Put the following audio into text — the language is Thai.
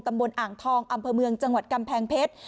ตำบลอ่างทองอำเภอเมืองจังหวัดกำแพงเพชร